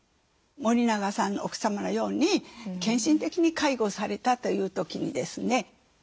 森永さんの奥様のように献身的に介護されたという時にですね